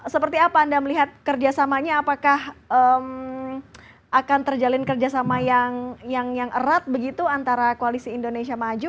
seperti apa anda melihat kerjasamanya apakah akan terjalin kerjasama yang erat begitu antara koalisi indonesia maju